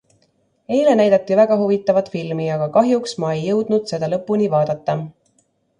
Eile näidati väga huvitavat filmi, aga kahjuks ma ei jõudnud seda lõpuni vaadata.